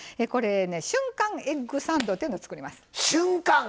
瞬間エッグサンドっていうのを作ります。